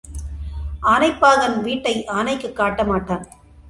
ஆனைப் பாகன் வீட்டை ஆனைக்குக் காட்ட மாட்டான்.